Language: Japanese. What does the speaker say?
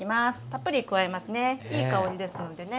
たっぷり加えますね。